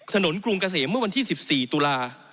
กรุงเกษมเมื่อวันที่๑๔ตุลา